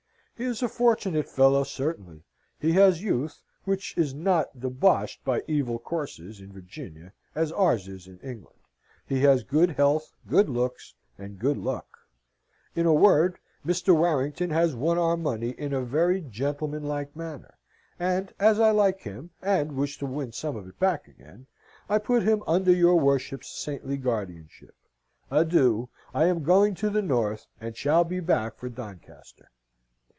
"He is a fortunate fellow, certainly. He has youth (which is not deboshed by evil courses in Virginia, as ours is in England); he has good health, good looks, and good luck. "In a word, Mr. Warrington has won our money in a very gentlemanlike manner; and, as I like him, and wish to win some of it back again, I put him under your worship's saintly guardianship. Adieu! I am going to the North, and shall be back for Doncaster.